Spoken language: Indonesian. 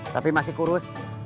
tapi masih kurus